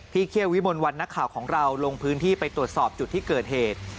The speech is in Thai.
เคี่ยววิมลวันนักข่าวของเราลงพื้นที่ไปตรวจสอบจุดที่เกิดเหตุ